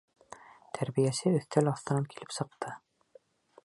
Тәрбиәсе өҫтәл аҫтынан килеп сыҡты: